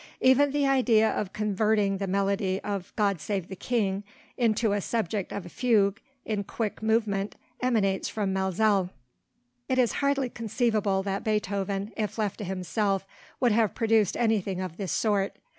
Even the idea of converting the melody of 'God Save the King' into a subject of a fugue in quick movement emanates from Maelzel." It is hardly conceivable that Beethoven, if left to himself, would have produced anything of this sort.